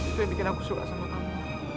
itu yang bikin aku suka sama kamu